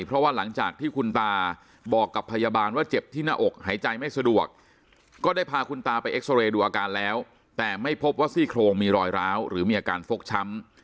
เพราะว่าหลังจากที่คุณตาบอกกับพยาบาลว่าเจ็บที่หน้าอกหายใจไม่สะดวกก็ได้พาคุณตาไปเอ็กซอเรย์ดูอาการแล้วแต่ไม่พบว่าซี่โครงมีรอยร้าวหรือมีอาการฟกช้ำ